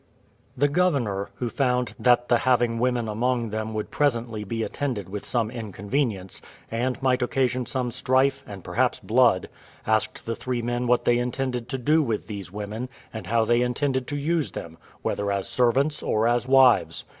The governor, who found that the having women among them would presently be attended with some inconvenience, and might occasion some strife, and perhaps blood, asked the three men what they intended to do with these women, and how they intended to use them, whether as servants or as wives?